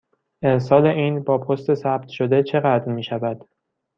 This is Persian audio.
ارسال این با پست ثبت شده چقدر می شود؟